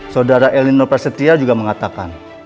saudara elino prasetya juga mengatakan